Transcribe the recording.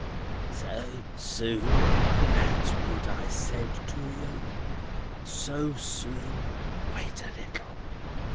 "So soon?" "That's what I said to you. So soon. Wait a little.